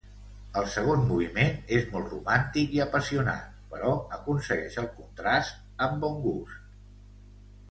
El segon moviment és molt romàntic i apassionat, però aconsegueix el contrast amb bon gust.